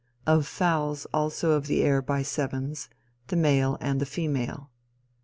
Of fowls also of the air by sevens, the male and the female."